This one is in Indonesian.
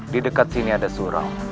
di dekat sini ada surau